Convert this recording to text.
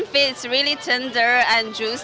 makanan ayam sangat lembut dan lembut